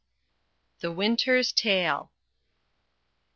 THE WINTER'S TALE.